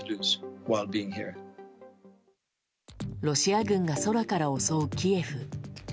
ロシア軍が空から襲うキエフ。